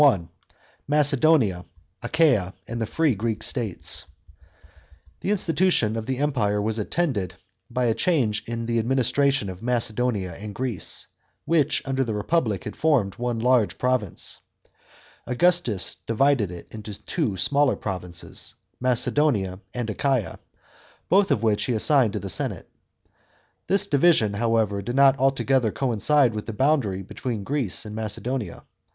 — MACEDONIA, ACHAIA, AND THE FREE GREEK STATES. § 2. The institution of the Empire was attended by a change in the administration of Macedonia and Greece, which under the Republic had formed one large province. Augustus divided it into two smaller provinces, Macedonia and Achaia, both of which he assigned to the senate. This division, however, did not altogether coincide with the boundary between Greece and Macedonia.